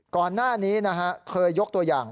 ก่อนหน้านี้นะฮะเคยยกตัวอย่าง